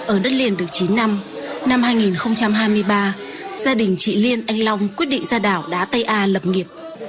ở đất liền được chín năm năm hai nghìn hai mươi ba gia đình chị liên anh long quyết định ra đảo đá tây a lập nghiệp